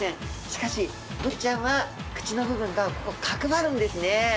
しかしブリちゃんは口の部分が角ばるんですね。